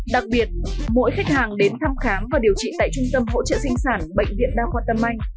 đặc biệt mỗi khách hàng đến thăm khám và điều trị tại trung tâm hỗ trợ sinh sản bệnh viện đa khoa tâm anh